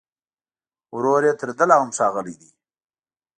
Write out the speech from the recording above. ورور يې تر ده لا هم ښاغلی دی